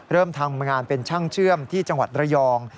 เริ่มทำงานเป็นช่างเชื่อมที่จังหวัดระยอง